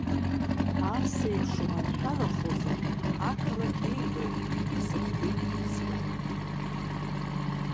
Асеиԥш уманшәалахозар ақалақь еиӷьуп сыӡбеит сгәанала.